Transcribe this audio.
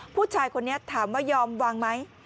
ผู้ชายคนนี้ถามว่ายอมวางไหม